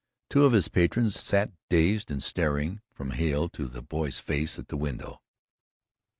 Two of his patrons sat dazed and staring from Hale to the boy's face at the window.